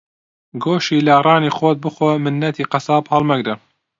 گۆشتی لاڕانی خۆت بخۆ مننەتی قەساب ھەڵمەگرە